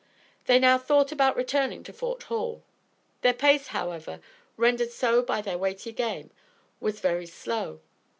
They now thought about returning to Fort Hall. Their pace, however, rendered so by their weighty game, was very slow.